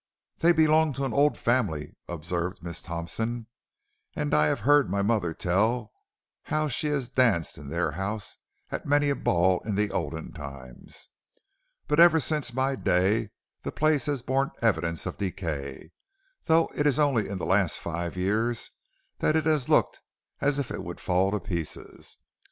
"'They belong to an old family,' observed Miss Thompson, 'and I have heard my mother tell how she has danced in their house at many a ball in the olden times. But ever since my day the place has borne evidences of decay, though it is only in the last five years it has looked as if it would fall to pieces.